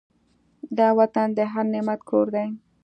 دا وطن د هر نعمت کور دی.